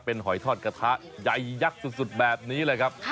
เป็นหอยทอดกระทะใหญ่ยักษ์สุดแบบนี้เลยครับ